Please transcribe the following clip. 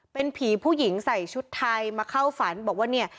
เป็นผีผู้หญิงใส่ชุดไทยมาเข้าฝันบอกว่าเนี่ย